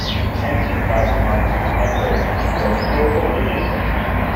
Hence he passed among his contemporaries for a skilful magician.